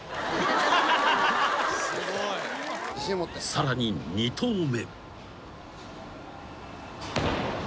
［さらに２投目］